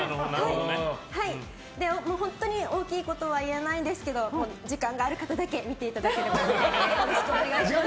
本当に大きいことは言えないんですけど時間がある方だけ見ていただければと思います。